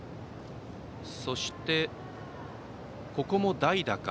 そして、ここも代打か。